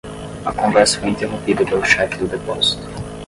A conversa foi interrompida pelo chefe do depósito.